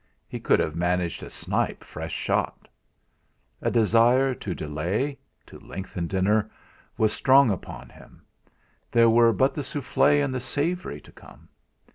he could have managed a snipe fresh shot! A desire to delay, to lengthen dinner, was strong upon him; there were but the souffle' and the savoury to come.